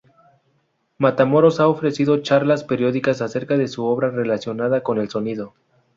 Matamoros ha ofrecido charlas periódicas acerca de su obra relacionada con el sonido.